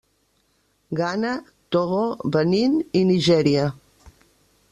Ghana, Togo, Benín i Nigèria.